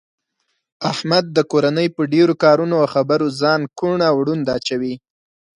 احمد د کورنۍ په ډېرو کارونو او خبرو ځان کوڼ او ړوند اچوي.